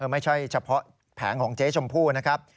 ไม่ใช่เฉพาะแผงของเจ๊ชมพู่นะครับ